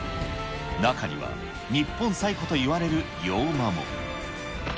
中には日本最古といわれる洋間も。